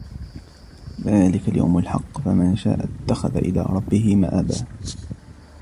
ذلك اليوم الحق فمن شاء اتخذ إلى ربه مآبا